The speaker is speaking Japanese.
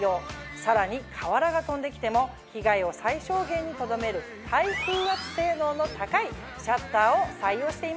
さらに瓦が飛んできても被害を最小限にとどめる耐風圧性能の高いシャッターを採用しています。